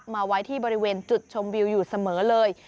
มาไว้ที่บริเวณจุดชมวิวอยู่เสมอเลย